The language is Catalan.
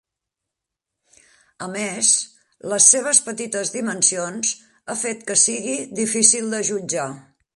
A més, les seves petites dimensions ha fet que sigui difícil de jutjar.